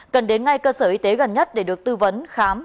cần đến ngay cơ sở y tế gần nhất để được tư vấn khám